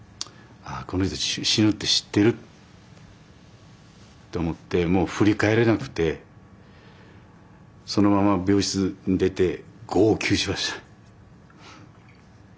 ああこの人死ぬって知ってると思ってもう振り返れなくてそのまま病室出て号泣しました。